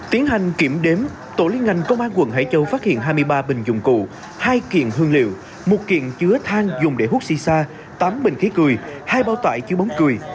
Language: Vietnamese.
tiến hành kiểm đếm tổ liên ngành công an quận hải châu phát hiện hai mươi ba bình dụng cụ hai kiện hương liệu một kiện chứa than dùng để hút si xa tám bình khí cười hai bao tải chứa bóng cười